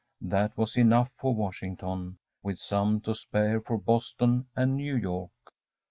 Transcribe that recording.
That was enough for Washington, with some to spare for Boston and New York.